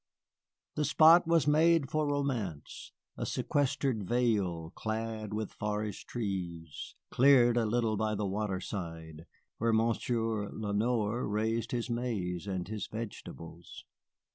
The spot was made for romance, a sequestered vale, clad with forest trees, cleared a little by the water side, where Monsieur Lenoir raised his maize and his vegetables.